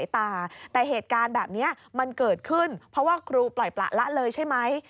แต่เหตุการณ์แบบนี้มันเกิดขึ้นเพราะว่าครูปล่อยประละเลยใช่ไหม